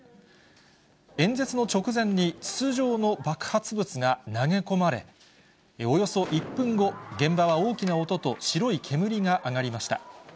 演説の直前に筒状の爆発物が投げ込まれ、およそ１分後、現場は大きな音と白い煙が上がりました。